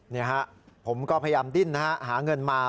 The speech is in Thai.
นี่ครับผมก็พยายามดิ้นหาเงินมา